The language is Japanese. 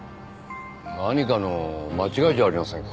何かの間違いじゃありませんか？